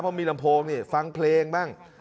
เพราะมีลำโพงนี่ฟังเพลงบ้าง